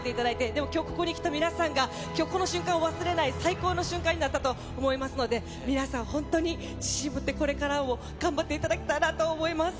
でも、きょうここに来た皆さんが、きょう、この瞬間を忘れない、最高の瞬間になったと思いますので、皆さん、本当に、自信持ってこれからも頑張っていただきたいなと思います。